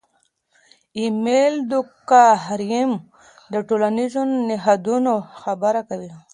امیل دورکهایم د ټولنیزو نهادونو خبره کوي.